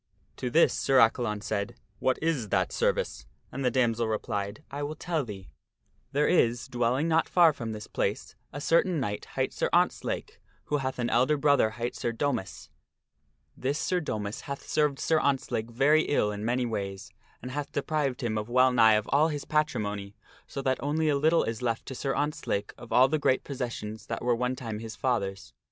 To this Sir Accalon said, " What is that service ?" And the damoiselle replied, " I will tell thee : There is, dwelling not far from this place, a ACCALON FINDS A WONDERFUL SWORD 193 certain knight hight Sir Ontzlake, who hath an elder brother hight Sir Domas. This Sir Domas hath served Sir Ontzlake very ill in many ways, and hath deprived him of well nigh all of his patrimony, so that only a little is left to Sir Ontzlake of all the great possessions that were one time his father's.